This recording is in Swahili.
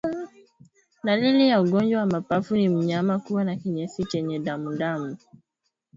Dalili ya ugonjwa wa mapafu ni mnyama kuwa na kinyesi chenye damudamu